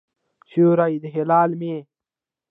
سیوری د هلال مې یې